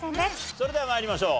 それでは参りましょう。